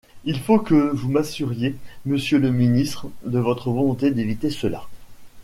Il faut que vous m’assuriez, monsieur le ministre, de votre volonté d’éviter cela.